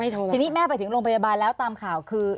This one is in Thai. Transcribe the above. ทีนี้แม่ไปถึงโรงพยาบาลแล้วตามข่าวคือ